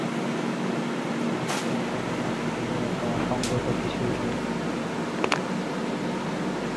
লজ্জা করো না তুমি, এতে অসংগত কিছুই নেই।